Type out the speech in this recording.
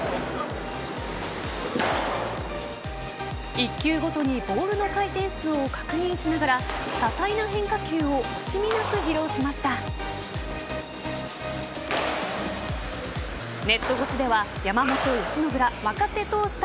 １球ごとにボールの回転数を確認しながら多彩な変化球を惜しみなく披露しました。